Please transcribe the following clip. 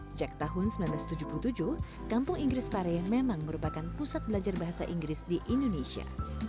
sejak tahun seribu sembilan ratus tujuh puluh tujuh kampung inggris pare memang merupakan pusat belajar bahasa inggris di indonesia